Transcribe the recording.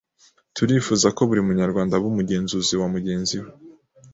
turifuza ko buri munyarwanda aba umugenzuzi wamugenzi we